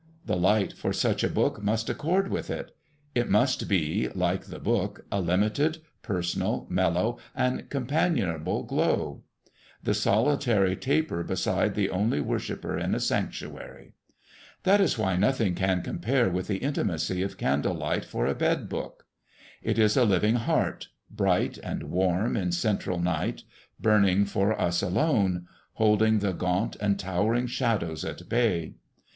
The light for such a book must accord with it. It must be, like the book, a limited, personal, mellow, and companionable glow; the solitary taper beside the only worshiper in a sanctuary. That is why nothing can compare with the intimacy of candle light for a bed book. It is a living heart, bright and warm in central night, burning for us alone, holding the gaunt and towering shadows at bay.